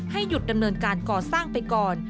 หยุดดำเนินการก่อสร้างไปก่อน